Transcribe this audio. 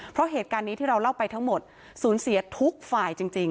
เพราะเหตุการณ์นี้ที่เราเล่าไปทั้งหมดสูญเสียทุกฝ่ายจริง